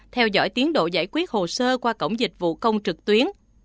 theo dõi tiến độ giải quyết hồ sơ qua cổng dịch vụ công trực tuyến